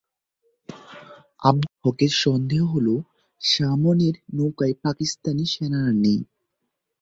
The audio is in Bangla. আবদুল হকের সন্দেহ হলো, সামনের নৌকায় পাকিস্তানি সেনারা নেই।